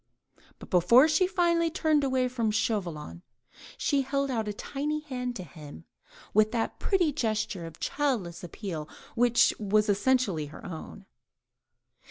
But before she finally turned away from Chauvelin, she held out a tiny hand to him, with that pretty gesture of childish appeal which was so essentially her own.